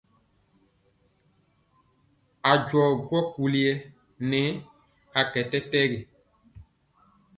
A jɔ gwɔ kuli nɛ a kɛ tɛtɛgi.